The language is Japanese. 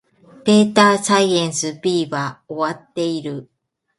データサイエンス B は終わっている